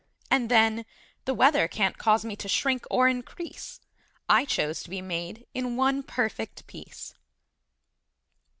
And, then, The weather can't cause me to shrink or increase: I chose to be made in one perfect piece!